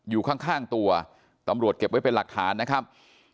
อยู่ข้างตัวตำรวจเก็บไว้เป็นหลักฐานนะครับ